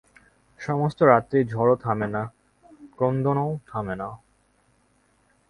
সমস্ত রাত্রি ঝড়ও থামে না, ক্রন্দনও থামে না।